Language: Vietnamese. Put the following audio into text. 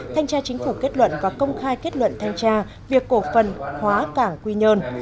thanh tra chính phủ kết luận và công khai kết luận thanh tra việc cổ phần hóa cảng quy nhơn